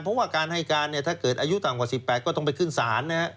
เพราะว่าการให้การเนี่ยถ้าเกิดอายุต่ำกว่า๑๘ก็ต้องไปขึ้นศาลนะฮะ